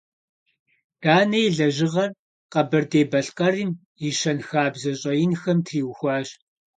Данэ и лэжьыгъэр Къэбэрдей-Балъкъэрым и щэнхабзэ щӀэинхэм триухуащ.